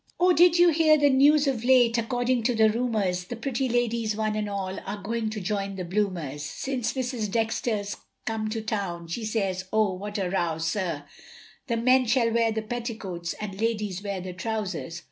Oh, did you hear the news of late, According to the rumours, The pretty ladies one and all, Are going to join the bloomers. Since Mrs Dexter's come to town, She says, oh, what a row, sir, The men shall wear the petticoats And ladies wear the trousers.